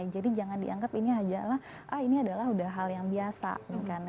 jadi jangan dianggap ini adalah hal yang biasa